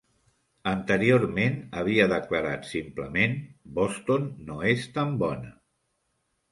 Anteriorment havia declarat simplement: "Boston no és tan bona".